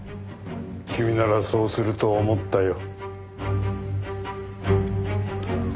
君ならそうすると思ったよ。